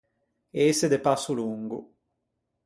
Ëse de passo longo.